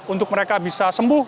untuk mereka bisa sembuh